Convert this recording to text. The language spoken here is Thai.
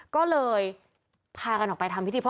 ก็เลยพากันออกไปทำพิธีพ่อ